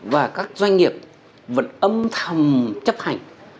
và các doanh nghiệp vẫn âm thầm chấp hành